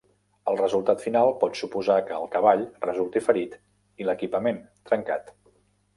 El resultat final pot suposar que el cavall resulti ferit i l'equipament, trencat.